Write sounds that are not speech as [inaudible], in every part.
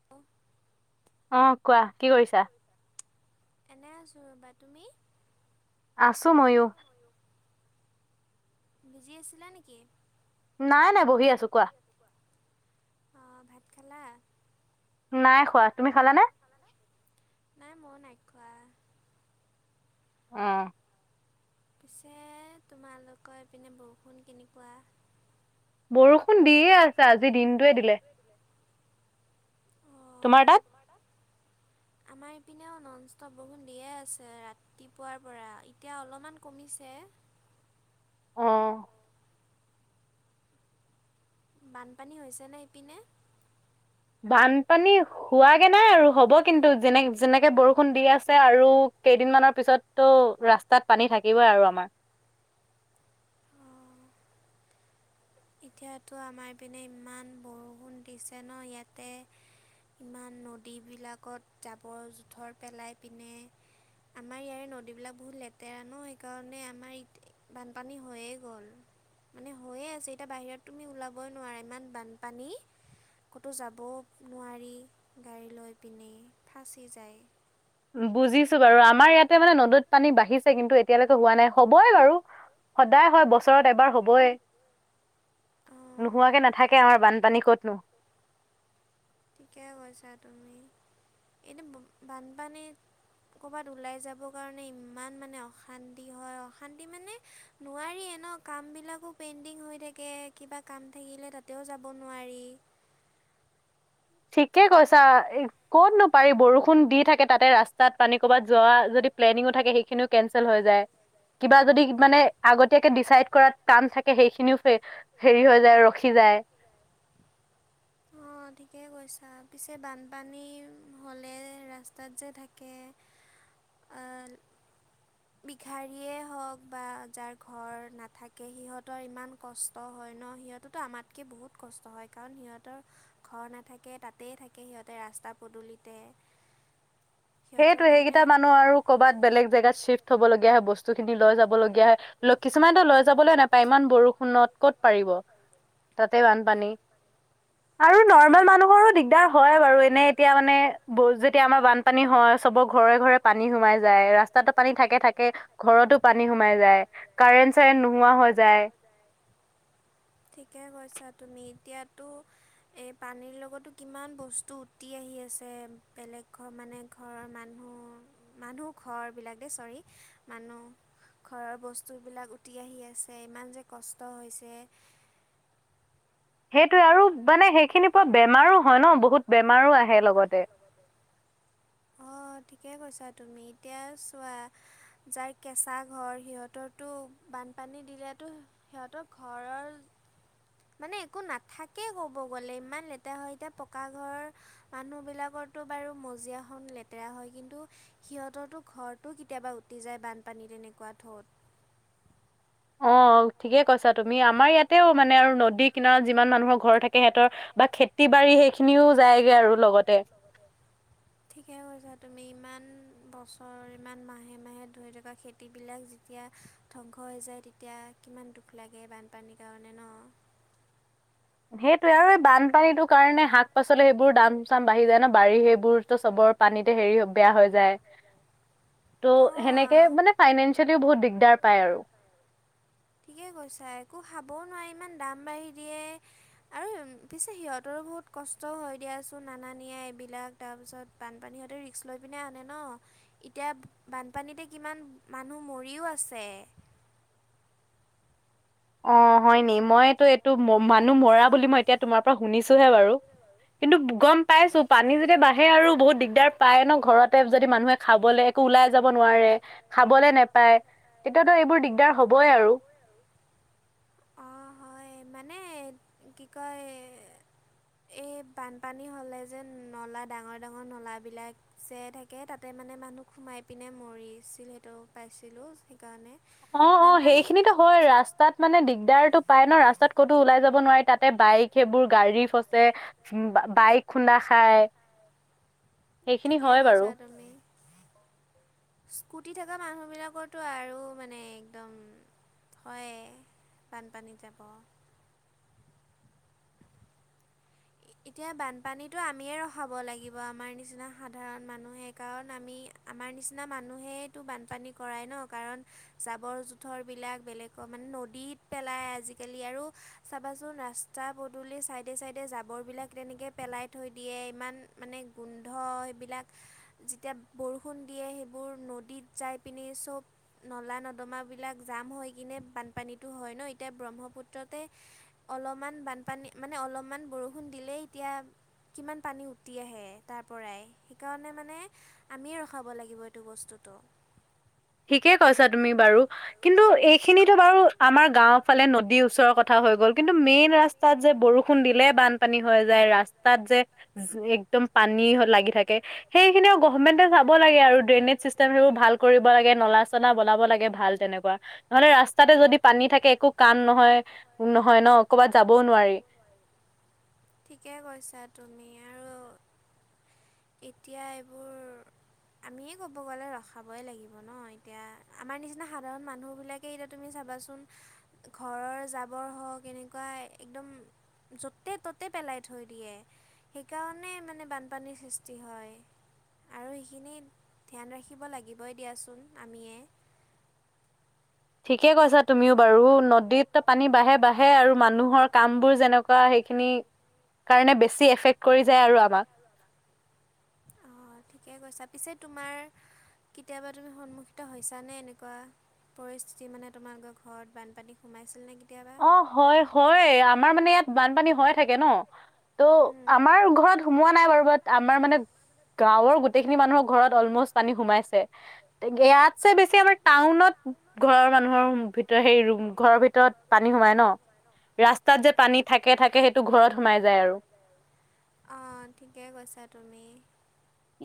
[unintelligible] অ কোৱা কি কৰিছা। এনে আছো ৰবা তুমি। আছোঁ মইয়ো। বিজি আছিলা নেকি। নাই নাই বহি আছো কোৱা। অহ ভাত খালা। নাই খোৱা তুমি খালা নে। নাই মই নাইখোৱা। অ, পিছে তোমালোকৰ এইপিনে বৰষুণ কেনেকুৱা? বৰষুণ দিয়ে আছে আজি দিনটোৱে দিলে। তোমাৰ তাত। আমাৰ ইপিনেও নন ষ্টপ বৰষুণ দিয়ে আছে ৰা ৰাতিপুৱাৰ পৰা এতিয়া অলপমান কমিছে। অ বানপানী হৈছে নে ইপিনে বানপানী হোৱাগে নাই আৰু হ'ব কিন্তু যেনে যেনেকে বৰষুণ দি আছে আৰু কেইদিনমানৰ পিছত ত' ৰাস্তাত পানী থাকিবই আৰু আমাৰ এতিয়াতো আমাৰ পিনে ইমান বৰষুণ দিছে ন ইয়াতে ইমান নদীবিলাকত জাবৰ জোথৰ পেলাই পিনে আমাৰ ইয়াৰে নদীবিলাক বহুত লেতেৰা ন সেইকাৰণে আমাৰ ই বানপানী হৈয়ে গ'ল মানে হৈয়ে আছে এতিয়া বাহিৰত তুমি ওলাবই নোৱাৰা ইমান বানপানী ক'তো যাবও নোৱাৰি গাড়ী লৈ পিনে ফাঁচি যায় বুজিছো বাৰু আমাৰ ইয়াতে মানে নদৈত পানী বাঢ়িছে কিন্তু এতিয়ালৈকে হোৱা নাই হ'বই বাৰু সদায় হয় বছৰত এবাৰ হ'বই নোহোৱাকে নাথাকে আমাৰ বানপানী কতনো ঠিকে কৈছা তুমি এনে বানপানীত কৰ'বাত ওলাই যাবৰ কাৰণে ইমান মানে অশান্তি হয় অশান্তি মানে নোৱাৰি এনেও কামবিলাকো পেইণ্ডিং হৈ থাকে কিবা কাম থাকিলে তাতেও যাব নোৱাৰি ঠিকেই কৈছা এ ক'তনো পাৰি বৰষুণ দি থাকে তাতে ৰাস্তাত পানী ক'ৰবাত যোৱা যদি প্লেনিংও থাকে সেইখিনিও কেনচেল হৈ যায় কিবা যদি মানে আগতিয়া কে ডিচাইড কৰাত কাম থাকে সেইখিনিও ফে হেৰি হৈ যায় ৰখি যায় অ ঠিকেই কৈছা পিছে বানপানী হ'লে ৰাস্তাত যে থাকে অ ভিখাৰীয়েই হওক বা যাৰ ঘৰ নাথাকে সিহঁতৰ ইমান কষ্ট হয় ন সিহঁতেতো আমাতকে বহুত কষ্ট হয় কাৰণ সিহঁতৰ ঘৰ নাথাকে তাতেই থাকে সিহঁতে ৰাস্তা পদূলিতে সেইটোৱে সেইকেইটা মানুহ আৰু ক'ৰবাত বেলেগ জেগাত চিফট হ'বলগীয়া হয় বস্তু খিনি লৈ যাব লগীয়া হয় লৈ কিছুমানেতো লৈ যাবলৈ নাপায় ইমান বৰষুণত ক'ত পাৰিব তাতে বানপানী আৰু নৰ্মেল মানুহৰো দিগদাৰ হয় বাৰু এনে এতিয়া মানে বহুত যেতিয়া আমাৰ বান পানী হয় চবৰ ঘৰে ঘৰে পানী সোমাই যায় ৰাস্তাতো পানী থাকে থাকেই তাত ঘৰতো পানী সোমাই যায় কাৰেণ্ট চাৰেন্ট নোহোৱা হৈ যায় ঠিকে কৈছা তুমি এতিয়াতো এই পানীৰ লগতো কিমান বস্তু উটি আহি আছে বেলেগ ঘৰ মানে ঘৰৰ মানুহ মানুহ ঘৰবিলাক দেই চৰি মানুহ ঘৰৰ বস্তুবিলাক উটি আহি আছে ইমান যে কষ্ট হৈছে সেইটোৱে আৰু মানে সেইখিনিৰ পৰা বেমাৰো হয় ন বহুত বেমাৰো আহে লগতে অ ঠিকে কৈছা তুমি এতিয়া চোৱা যাৰ কেঁচা ঘৰ সিহঁতৰতো বানপানী দিলেতো সিহঁতৰ ঘৰৰ মানে একো নাথাকে ক'ব গ'লে ইমান লেতেৰা হয় এতিয়া পকা ঘৰ মানুহ বিলাকৰতো বাৰু মজিয়াখন লেতেৰা হয় কিন্তু সিহঁতৰতো ঘৰটো কেতিয়াবা উটি যায় বানপানী তেনেকোৱা ঢৌত অ ঠিকে কৈছা তুমি আমাৰ ইয়াতেও মানে আৰু নদী কিনাৰত যিমান মানুহৰ ঘৰ থাকে সিহঁতৰ বা খেতি বাৰী সেইখিনিও যায়গে আৰু লগতে ঠিকে কৈছা তুমি ইমান বছৰৰ ইমান মাহে মাহে ধৰি থকা খেতিবিলাক যেতিয়া ধ্বংস হৈ যায় তেতিয়া কিমান দুখ লাগে বানপানীৰ কাৰণে ন সেইটোয়ে আৰু এই বানপানীতটো কাৰণে শাক পাচলি সেইবোৰ দাম চাম বাঢ়ি যায় ন বাৰী সেইবোৰতো চবৰ পানীতে হেৰি বেয়া হৈ যায়। ত' সেনেকে মানে ফাইনেন্ঞ্চিয়েলিও বহুত দিগদাৰ পায় আৰু। ঠিকে কৈছা একো খাবও নোৱাৰি ইমান দাম বাঢ়ি দিয়ে। আৰু পিছে সিহঁতৰো বহুত কষ্টও হয় দিয়াচোন নানানিয়া এইবিলাক তাৰপিছত বানপানীহঁতে ৰিক্স লৈ পিনে আনে ন। এতিয়া বানপানীতে কিমান মানুহ মৰিও আছে। অ হয়নি মইতো এইটো মানুহ মৰা বুলি মই এতিয়া তোমাৰ পৰা শুনিছোহে বাৰু। কিন্তু গম পাইছো পানী যেতিয়া বাঢ়ে আৰু বহুত দিগদাৰ পায় ন ঘৰতে যদি মানুহে খাবলে একো ওলাই যাব নোৱাৰে খাবলে নেপায়। তেতিয়াতো এইবোৰ দিগদাৰ হবই আৰু। অ হয় মানে, কি কয়? এই বানপানী হ'লে যে নলা ডাঙৰ ডাঙৰ নলাবিলাক চে থাকে তাতে মানে মানুহ সোমাই পিনে মৰিছিল সেইটো পাইছিলো সেইকাৰণে। অ অ সেইখিনিতো হয় ৰাস্তাত মানে দিগদাৰটো পাই ন ৰাস্তাত ক'তো ওলাই যাব নোৱাৰি তাতে বাইক সেইবোৰ গাড়ী ফচে। বাইক খুন্দা খাই। ঠিকেই কৈছা তুমি। স্কুটি থকা মানুহবিলাকৰতো আৰু মানে একদম হয় বানপানী যাব। [inaudible] এতিয়া বানপানীটো আমিয়ে ৰখাব লাগিব আমাৰ নিচিনা সাধাৰণ মানুহে কাৰণ আমি আমাৰ নিচিনা মানুহেইতো বানপানী কৰাই ন কাৰণ জাবৰ জোথৰবিলাক বেলেগ ক মানে নদীত পেলাই আজিকালি আৰু চাবাচোন ৰাস্তা পদূলি চাইডে চাইডে জাৱ- বৰবিলাক তেনেকৈ পেলাই থৈ দিয়ে। ইমান মানে গোন্ধ সেইবিলাক যেতিয়া বৰষুণ দিয়ে সেইবোৰ নদীত যাই পিনি চব নলা নৰ্দমাবিলাক জাম হৈ কিনে বানপানীটো হয় ন এতিয়া ব্ৰহ্মপুত্ৰতে অলপমান বানপানী মানে অলপমান বৰষুণ দিলেই এতিয়া কিমান পানী উটি আহে তাৰ পৰাই সেইকাৰণে মানে আমিয়ে ৰখাব লাগিব এইটো বস্তুটো। ঠিকেই কৈছা তুমি বাৰু। কিন্তু এইখিনিতো বাৰু আমাৰ গাও ফালে নদীৰ ওচৰৰ কথা হৈ গ'ল। কিন্তু মেইন ৰাস্ত- তাত যে বৰষুণ দিলে বানপানী হৈ যায় ৰাস্তাত যে [unintelligible] একদম পানী হৈ লাগি থাকে। সেইখিনিও গভমেণ্টে চাব লাগে আৰু ড্ৰেইনেজ চিষ্টেম সেইবোৰ ভাল কৰিব ব লাগে, নলা চনা বনাব লাগে, ভাল তেনেকুৱা। নহলে ৰাস্তাতে যদি পানী থাকে একো কাম নহয়। নহয় ন কবাত যাবও নোৱাৰি। ঠিকে কৈছা তুমি আৰু। এতিয়া এইবোৰ আমিয়ে ক'ব গ'লে ৰখাবই লাগিব ন এতিয়া আমাৰ নিচিনা সাধাৰণ মানুহ বিলাক এই এতিয়া তুমি চাবাচোন ঘৰৰ জাবৰ হওঁক এনেকুৱা একদম য'তে ত'তে পেলাই থৈ দিয়ে। সেইকাৰণে মানে বানপানী সৃষ্ট- কি হয় আৰু সেইখিনি ধ্যান ৰাখিব লাগিবই দিয়াচোন আমিয়ে। ঠিকে কৈছা তুমিও বাৰু নদীত পানী বাঢ়ে বাঢ়ে আৰু মানুহৰ কাম বোৰ যেনেকুৱা সেইখিনি কাৰণে বেছ- টি এফেক্ট কৰি যায় আৰু আমাক অ ঠিকে কৈছা পিছে তোমাৰ কেতিয়াবা তুমি সন্মুখীত হৈছা নে এনেকুৱা পৰিস্থিতি মানে তোমালোকৰ ঘৰত বানপানী সোমাইছিল নে কেতিয়াবা। অ হয় হয় আমাৰ মানে ইয়াত বানপানী হয় থাকে ন। ত' আমাৰ ঘৰত সোমোৱা নাই বাৰু বাট আমাৰ মানে গাঁৱৰ গোত, গোটেইখিনি মানুহৰ ঘৰত অলমষ্ট পানী সোমাইছে। ইয়াতছে বেছি আমাৰ টাউনত ঘৰৰ মানুহৰ ভিতৰত হেৰি ৰুম ঘৰৰ ভিতৰত, পানী সোমাই ন ৰাস্তাত যে, পানী থাকে থাকে সেইটো ঘৰত সোমাই যায় আৰু। অ ঠিকে কৈছা তুমি।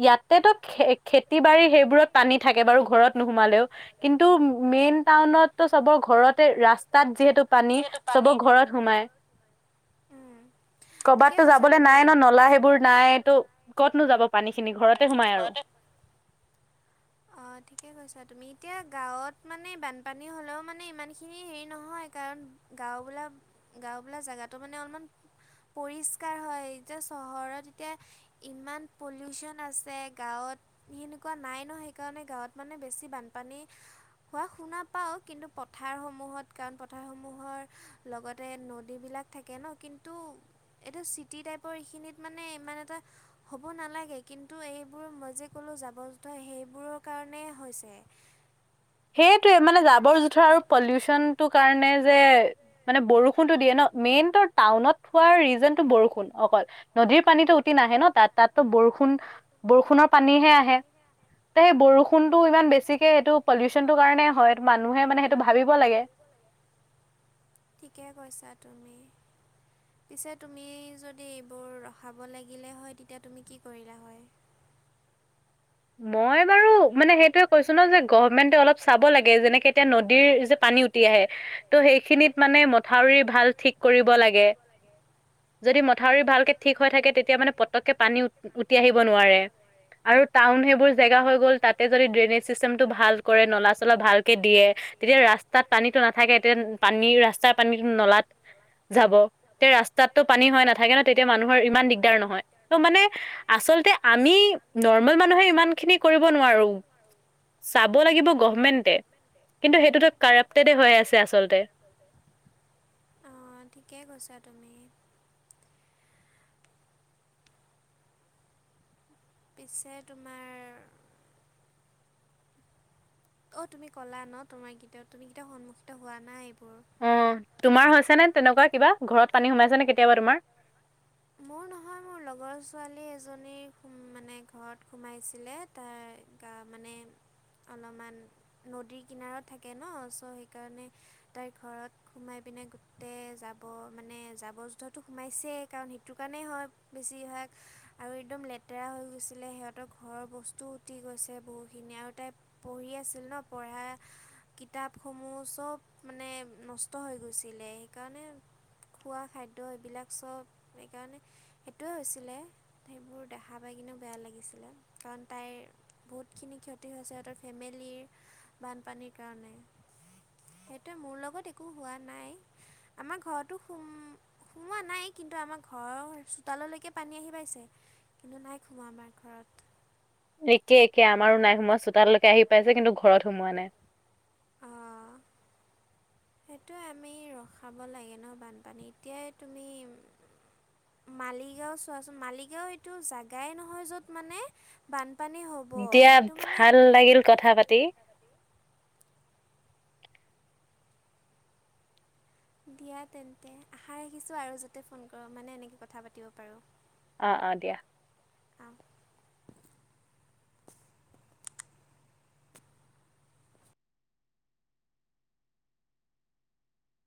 ইয়াতেতো খে খেতি বাৰী সেইবোৰত পানী থাকে বাৰু ঘৰত নোসোমালেও। কিন্তু মেইন টাউনতো চবৰ ঘৰতে ৰাস্তাত যিহেতু পানী চবৰ ঘৰত সোমায়। কৰ'বাততো যাবলৈ নাই ন নলা সেইবোৰ নাই টো কতনো যাব পানী খিনি ঘৰতে সোমাই আৰু অঁ ঠিকে কৈছা তুমি। এতিয়া গাঁৱত মানে বানপানী হ'লেও মানে ইমানখিনি হেৰি নহয় কাৰণ, গাঁওবোলা গাঁওবোলা জেগাটো মানে অলপমান, পৰিষ্কাৰ হয় এতিয়া চহৰত কে, ইমান পলিউচন আছে গাঁৱত সেনেকুৱা নাই ন স কাৰণে গাঁৱত মানে বেছি বানপানী, শুৱা শুনা পাও কিন্তু পথাৰ সমূহত কাৰণ পথাৰসমূহৰ লগতে নদীবিলাক থাকে। থাকে ন কিন্তু এটো চিটি টাইপৰ এইখিনিত মানে ইমান এটা। হব নালাগে কিন্তু এইবোৰ মই যে ক'লো জাবৰ যুথৰ সেইবোৰৰ কাৰণে হৈছে। সেইটোৱে মানে জাবৰ জোথৰ আৰু পলিউচনটো কাৰণে যে। মানে বৰষুণতো দিয়ে ন মেইনতো টাউনত হোৱাৰ ৰিজনতটো বৰষুণ অকল, নদীৰ পানীতো উটি নাহে ন তা তাততো বৰষুণ বৰষুণৰ পানীহে আহে। সেই বৰষুণতটো ইমান বেছিকে এইেইটো পলিউচনটোৰ কাৰণে হয় মানুহে মানে সেইটো ভাবিব লাগে। ঠিকে কৈছা তুমি। পিছে তুমি যদি এইবোৰ ৰখাব লাগিলে হয় তেতিয়া তুমি কি কৰিলা হয়। মই বাৰু মানে সেইটোয়ে কৈছো গৰ্ভামেন্তে অলপ চাব লাগে যেনেকে এতিয়া নদীৰ যে পানী উটি আহে। ত' সেইখিনিত মানে মথাউৰি ভাল ঠিক কৰিব লাগে। যদি মথাউৰি ভালকে ঠিক হৈ থাকে তেতিয়া মানে পতককে পানী উ উটি আহিব নোৱাৰে। আৰু টাউন সেইবোৰ জেগা হৈ গ'ল তাতে যদি ড্ৰেইনেজ চিষ্টেমটো ভাল কৰে নলা চলা ভালকে দিয়ে। তেতিয়া ৰাস্তাত পানীতো নাথাকে তেন পানী ৰাস্তাৰ পানী নলাত যাব। তে ৰাস্তাতটো পানী হয় নাথাকে ন তেতিয়া মানুহৰ ইমান দিগদাৰ নহয় ত' মানে। আচলতে আমি নৰ্মেল মানুহে ইমান খিনি কৰিব নোৱাৰো। চাব লাগিব গভমেণ্টে কিন্তু সেইটোতো কাপটেডে হৈ আছে আচলতে। ঠিকে কৈছা তুমি। পিছে তোমাৰ। অ তুমি কলা ন তোমাৰ কিতিয়াও তুমি কিতিয়াও সন্মুখীত হোৱা নাই এইবোৰ। অ তোমাৰ হৈছেনে তেনেকুৱা কিবা ঘৰত পানী সোমাইছেনে কেতিয়াবা তোমাৰ। মোৰ নহয় মোৰ লগৰ ছোৱালী এজনীৰ মানে ঘৰত সোমাইছিলে। তাৰ গা মানে, অলপমান নদীৰ কিনাৰত থাকে ন চ' সেইকাৰণে। তাইৰ ঘৰত সোমাই পিনে গোটেই জাবৰ মানে জাবৰ জোদ্ধতো সোমাইছেই কাৰণ, দোকানেই হয় বেছিভাগ আৰু একদম লেতেৰা হৈ গৈছিলে সিহঁতৰ ঘৰৰ বস্তু, উটি গৈছে বহুখিনি আৰু তাই পঢ়ি আছিল ন পঢ়া, কিতাপসমূহ চব মানে নষ্ট হৈ গৈছিলে সেইকাৰণে। খোৱা খাদ্য এইবিলাক চব সেইকাৰণে। সেইটোৱে হৈছিলে সেইবোৰ দেখা পাই কিনেও বেয়া লাগিছিলে কাৰণ তাইৰ। বহুতখিনি ক্ষতি হৈছে সিহঁতৰ ফেমিলীৰ বানপানীৰ কাৰণে। সেইটোৱে মোৰ লগত একো হোৱা নাই। আমাৰ ঘৰতো সুম সোমোৱা নাই কিন্তু আমাৰ, ঘৰৰ চোতাললৈকে পানী আহি পাইছে কিন্তু নাই সোমোৱা আমাৰ ঘৰত। একে একে আমাৰো নাই সোমোৱা চোতাল লৈকে আহি পাইছে কিন্তু ঘৰত সোমোৱা নাই। সেইটোৱে আমি ৰখাব লাগে ন বানপানী এতিয়াই তুমি মালিগাঁও চোৱাচোন মালিগাঁও এইটো জাগাই নহয় য'ত মানে বানপানী হওক দিয়া ভাল লাগিল কথা পাতি। দিয়া তেন্তে আশা ৰাখিছোঁ আৰু যাতে ফোন কৰোঁ মানে এনেকৈ কথা পাতিব পাৰোঁ। অ অ দিয়া